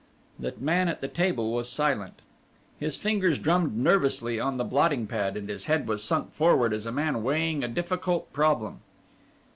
The man at the table was silent. His fingers drummed nervously on the blotting pad and his head was sunk forward as a man weighing a difficult problem.